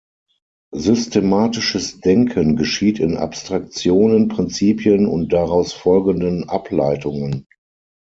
Systematisches Denken geschieht in Abstraktionen, Prinzipien und daraus folgenden Ableitungen.